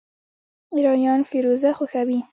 ایرانیان فیروزه خوښوي.